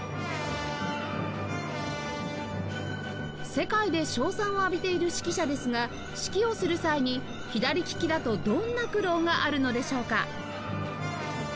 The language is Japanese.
世界で称賛を浴びている指揮者ですが指揮をする際に左ききだとどんな苦労があるのでしょうか？